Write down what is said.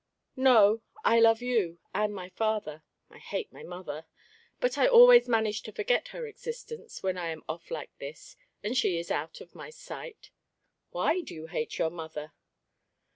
"No, I love you and my father. I hate my mother. But I always manage to forget her existence when I am off like this, and she is out of my sight " "Why do you hate your mother?"